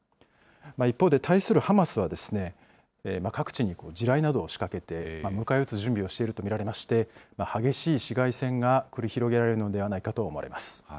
一方で対するハマスは、各地に地雷などを仕掛けて迎え撃つ準備をしていると見られまして、激しい市街戦が繰り広げられるのではないかと思います。